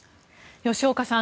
吉岡さん